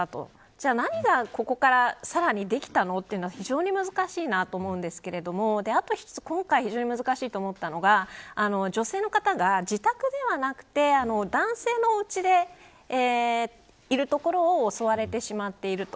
じゃあ何が、ここからさらにできたのというのは非常に難しいなと思うんですけどあと一つ、今回非常に難しいなと思ったのが女性の方が自宅ではなくて男性のおうちにいるところを襲われてしまっていると。